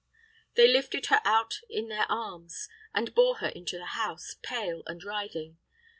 They lifted her out in their arms, and bore her into the house, pale and writhing.